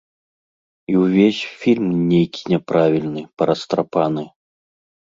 І ўвесь фільм нейкі няправільны, парастрапаны.